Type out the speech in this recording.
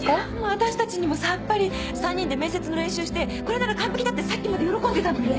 私たちにもさっぱり３人で面接の練習してこれなら完璧だってさっきまで喜んでたのに。